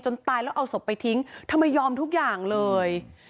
ตายแล้วเอาศพไปทิ้งทำไมยอมทุกอย่างเลย